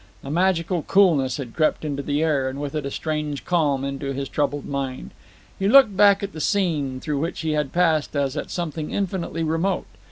A magical coolness had crept into the air, and with it a strange calm into his troubled mind. He looked back at the scene through which he had passed as at something infinitely remote.